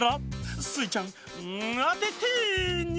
スイちゃんあててニャ！